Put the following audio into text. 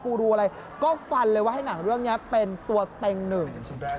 ดูอะไรก็ฟันเลยว่าให้หนังเรื่องนี้เป็นตัวเต็งหนึ่ง